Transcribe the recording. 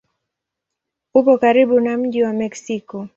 Upo karibu na mji wa Meksiko.